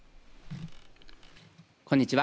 こんにちは。